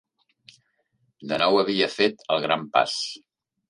De nou havia fet el gran pas.